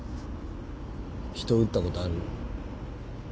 人撃ったことある？